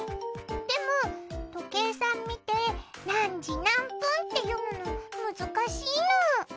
でもとけいさん見てなんじなんぷんって読むの難しいの。